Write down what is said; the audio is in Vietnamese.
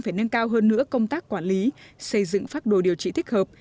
phải nâng cao hơn nữa công tác quản lý xây dựng pháp đồ điều trị thích hợp